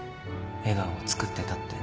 笑顔をつくってたって